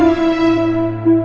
saatnya menerima pembalasanku